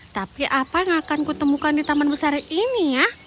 tapi apa yang akan kutemukan di taman besar ini ya